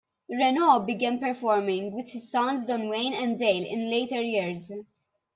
Reno began performing with his sons Don Wayne and Dale in later years.